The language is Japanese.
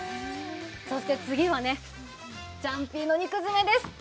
そして次は、ジャンピーの肉詰めです。